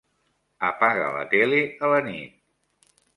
Apaga la tele a la nit.